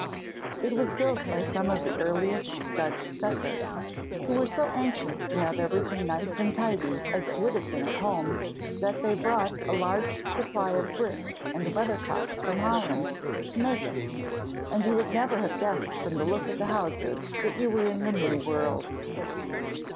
It was built by some of the earliest Dutch settlers, who were so anxious to have everything nice and tidy as it would have been at home, that they brought a large supply of bricks and weathercocks from Holland to make it, and you would never have guessed from the look of the houses that you were in the New World.